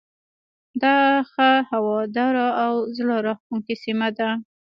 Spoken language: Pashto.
دا ښه هواداره او زړه راکښونکې سیمه ده.